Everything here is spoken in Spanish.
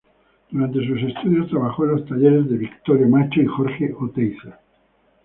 Durante sus estudios, trabajó en los talleres de Victorio Macho y Jorge Oteiza.